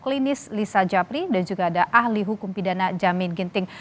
klinis lisa japri dan juga ada ahli hukum pidana jamin ginting